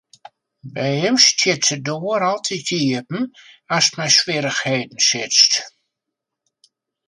By him stiet de doar altyd iepen ast mei swierrichheden sitst.